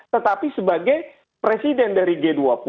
tetapi sebagai presiden dari g dua puluh